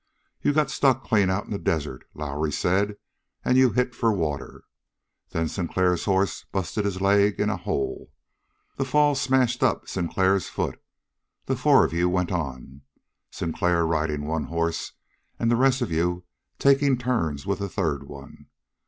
You got stuck clean out in the desert, Lowrie said, and you hit for water. Then Sinclair's hoss busted his leg in a hole. The fall smashed up Sinclair's foot. The four of you went on, Sinclair riding one hoss, and the rest of you taking turns with the third one.